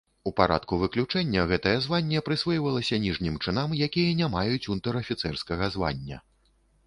У парадку выключэння гэтае званне прысвойвалася ніжнім чынам, якія не маюць унтэр-афіцэрскага звання.